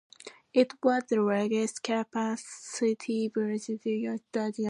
It was the largest capacity Bundesliga stadium to do so.